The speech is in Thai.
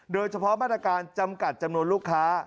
โดยเฉพาะมาตรการจำกัดจำนวนลูกค้า